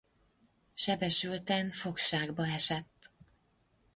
Sebesülten fogságba esett.